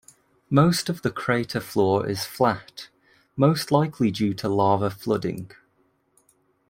Most of the crater floor is flat, most likely due to lava flooding.